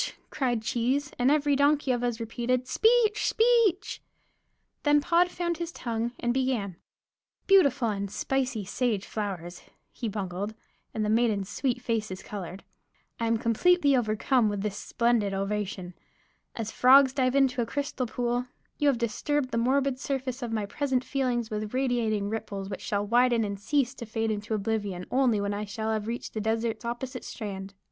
cried Cheese, and every donkey of us repeated, "Speech, Speech!" Then Pod found his tongue and began: "Beautiful and spicy sage flowers," he bungled; and the maidens' sweet faces colored, "I am completely overcome with this splendid ovation. As frogs dive into a crystal pool, you have disturbed the morbid surface of my present feelings with radiating ripples which shall widen and cease to fade into oblivion only when I shall have reached the desert's opposite strand.